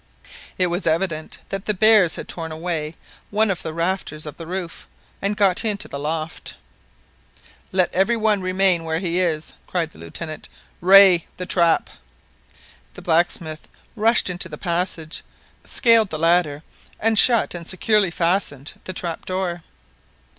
It was evident that the bears had torn away one of the rafters of the roof, and got into the loft. "Let every one remain where he is!" cried the Lieutenant. "Rae, the trap !" The blacksmith rushed into the passage, scaled the ladder, and shut and securely fastened the trap door.